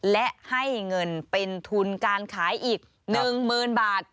และให้เงินเป็นทุนการขายอีก๑๐๐๐บาท